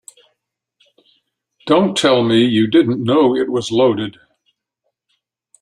Don't tell me you didn't know it was loaded.